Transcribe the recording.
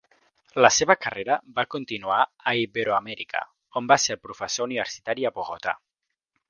La seva carrera va continuar a Iberoamèrica, on va ser professor universitari a Bogotà.